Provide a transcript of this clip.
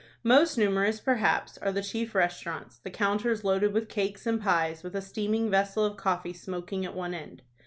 Most numerous, perhaps, are the chief restaurants, the counters loaded with cakes and pies, with a steaming vessel of coffee smoking at one end.